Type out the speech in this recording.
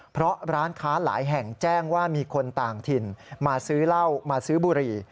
เพราะร้านค้าหลายแห่งแจ้งว่ามีคนต่างถิ่นมาซื้อเหล้ามาซื้อบุหรี่